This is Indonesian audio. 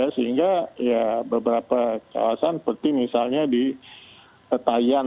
sehingga ya beberapa kawasan seperti misalnya di tayan